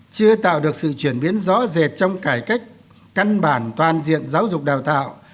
chưa tạo được sự chuyển biến rõ rệt trong cải cách căn bản toàn diện giáo dục đào tạo